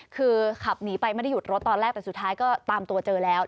คือขับหนีไปไม่ได้หยุดรถตอนแรกแต่สุดท้ายก็ตามตัวเจอแล้ว